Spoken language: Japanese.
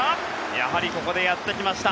やはりここでやってきました。